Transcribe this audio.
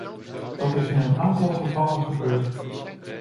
Dat is in een aantal gevallen gebeurd.